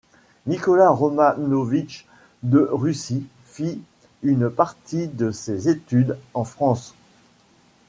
Nicolas Romanovitch de Russie fit une partie de ses études en France.